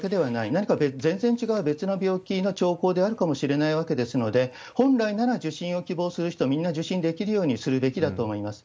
何か全然違う別の病気の兆候であるかもしれないわけですので、本来なら受診を希望する人はみんな受診できるようにするべきだと思います。